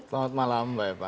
selamat malam mbak eva